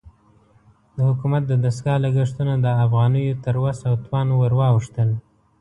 د حکومت د دستګاه لګښتونه د افغانیو تر وس او توان ورواوښتل.